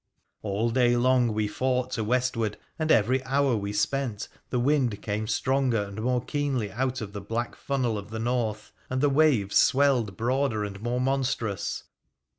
All day long we fought to westward, and every hour we spent the wind came stronger and more keenly out of the black funnel of the north, and the waves swelled, broader and more monstrous.